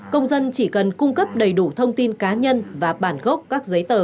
công dân chỉ cần cung cấp đầy đủ thông tin cá nhân và bản gốc các giấy tờ